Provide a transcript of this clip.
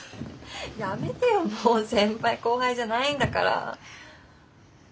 やめてよもう先輩後輩じゃないんだから。